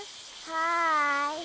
はい！